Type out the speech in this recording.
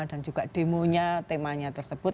dan juga demonya temanya tersebut